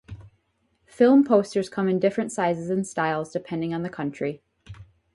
Film posters come in different sizes and styles depending on the country.